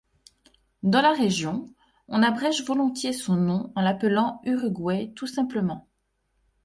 Dans la région, on abrège volontiers son nom en l'appelant Uruguay tout simplement.